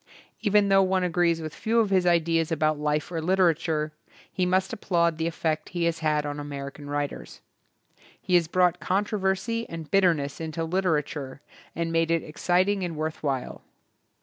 Even though one agrees with few of his ideas about life or literature, he must applaud the effect he has had on American writers. He has brought controversy and bit terness into literature and made it ex citing and worth while.